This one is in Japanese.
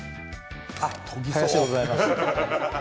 あ、林でございます。